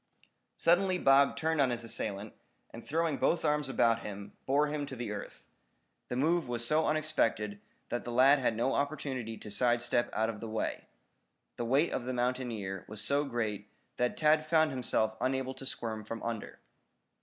Suddenly Bob turned on his assailant, and throwing both arms about him, bore him to earth. The move was so unexpected that the lad had no opportunity to side step out of the way. The weight of the mountaineer was so great that Tad found himself unable to squirm from under.